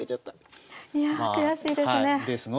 いや悔しいですね。